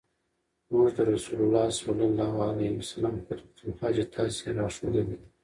مونږ ته رسول الله صلی الله عليه وسلم خُطْبَةَ الْحَاجَة داسي را ښودلي